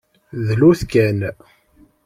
Dlut kan.